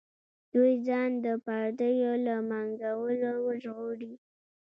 دوی ځان د پردیو له منګولو وژغوري.